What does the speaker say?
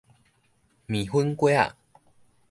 麵粉粿仔